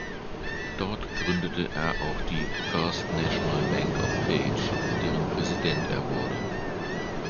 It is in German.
Dort gründete er auch die "First National Bank of Page", deren Präsident er wurde.